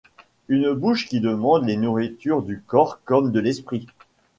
Une bouche qui demande les nourritures du corps comme de l’esprit.